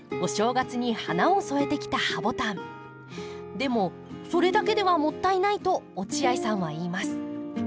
「でもそれだけではもったいない」と落合さんは言います。